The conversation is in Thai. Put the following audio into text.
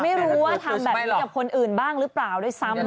ไม่รู้ว่าทำแบบนี้กับคนอื่นบ้างหรือเปล่าด้วยซ้ำ